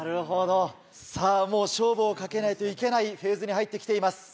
さぁもう勝負をかけないといけないフェーズに入って来ています。